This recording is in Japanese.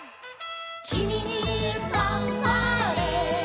「君にファンファーレ」